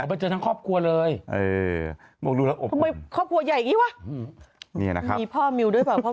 ไปเจอกันทั้งครอบครัวเลยทำไมครอบครัวใหญ่อย่างนี้วะมีพ่อมิวด้วยหรือเปล่า